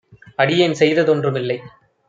அடியேன்செய்த தொன்றுமில்லை.